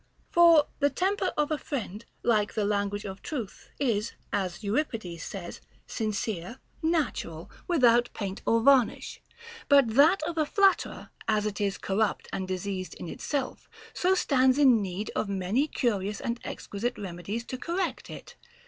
For the temper of a friend, like the language of truth, is (as Euripides says) sincere, natural, without paint or var nish ; but that of a flatterer, as it is corrupt and diseased in itself, so stands in need of many curious and exquisite rem edies to correct it.